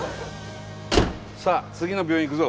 さあ次の病院行くぞ。